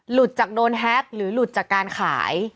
หลุดจากโดนแฮปหรือหลุดจากการขาย